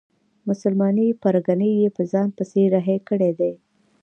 مسلمانې پرګنې یې په ځان پسې رهي کړي دي.